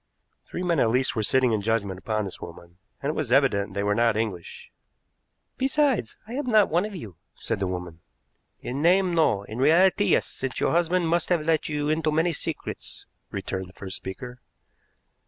Three men at least were sitting in judgment upon this woman, and it was evident they were not English. "Besides, I am not one of you," said the woman. "In name, no; in reality, yes; since your husband must have let you into many secrets," returned the first speaker.